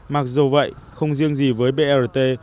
mặc dù vậy không riêng gì với brt